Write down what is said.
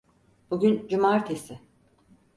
Bugün cumartesi.